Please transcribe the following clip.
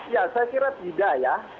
ya saya kira tidak ya